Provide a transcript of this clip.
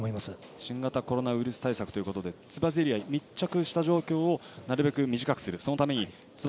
新型コロナウイルス対策ということでつばぜり合い、密着した状況をなるべく短くするためにつば